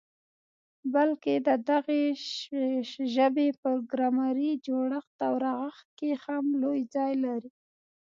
بلکي د دغي ژبي په ګرامري جوړښت او رغښت کي هم لوی ځای لري.